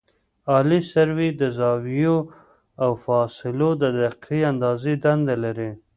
عالي سروې د زاویو او فاصلو د دقیقې اندازې دنده لري